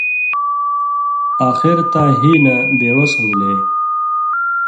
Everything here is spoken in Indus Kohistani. آخر تاں ہِی نہ بے وَس ہُوگلے